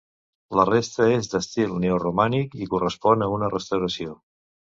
La resta és d'estil neoromànic i correspon a una restauració.